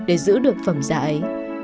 để giữ được phẩm giải